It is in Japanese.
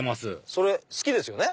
それ好きですよね？